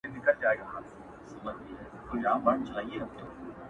فريادي داده محبت کار په سلگيو نه سي;